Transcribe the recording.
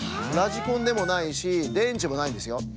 ラジコンでもないしでんちもないんですよ。